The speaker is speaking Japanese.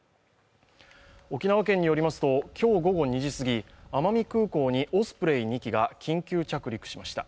沖縄県によりますと今日午後２時すぎ奄美空港にオスプレイ２機が緊急着陸しました